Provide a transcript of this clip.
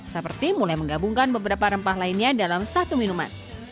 seperti mulai menggabungkan beberapa rempah lainnya dalam satu minuman